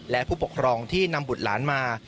และผู้ปกครองที่นำบุตรหลานมา